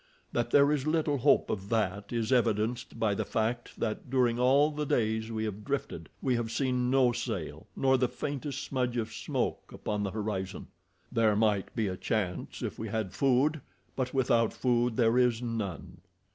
That there is little hope of that is evidenced by the fact that during all the days we have drifted we have seen no sail, nor the faintest smudge of smoke upon the horizon. "There might be a chance if we had food, but without food there is none.